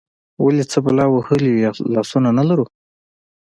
ولې، څه بلا وهلي یو، لاسونه نه لرو؟